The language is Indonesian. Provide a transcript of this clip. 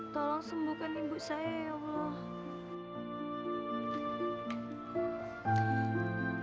tolong sembuhkan ibu saya ya allah